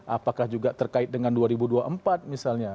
apakah juga terkait dengan dua ribu dua puluh empat misalnya